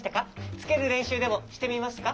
つけるれんしゅうでもしてみますか？